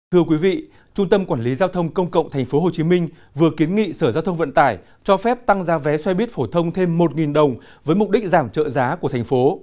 thưa quý vị trung tâm quản lý giao thông công cộng tp hcm vừa kiến nghị sở giao thông vận tải cho phép tăng giá vé xe buýt phổ thông thêm một đồng với mục đích giảm trợ giá của thành phố